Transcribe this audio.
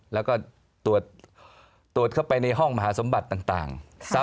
แล้วก็ตรวจเข้าไปในห้องมหาสมบัติต่าง